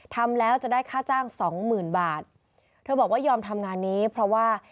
ทำแล้วจะได้ค่าจ้างสองหมื่นบาทเธอบอกว่ายอมทำงานนี้เพราะว่า